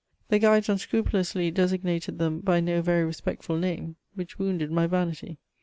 The guides unscrupulously designated them by no very respectful name, which wounded my vanity.